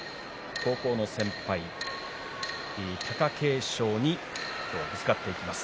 高校の先輩、貴景勝にぶつかっていきます。